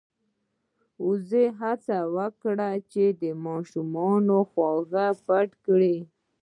وزې هڅه وکړه چې د ماشومانو خواږه پټ کړي.